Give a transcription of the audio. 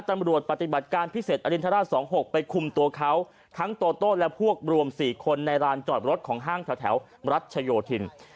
ปฏิบัติการพิเศษอรินทราช๒๖ไปคุมตัวเขาทั้งโตโต้และพวกรวม๔คนในร้านจอดรถของห้างแถวรัชโยธิน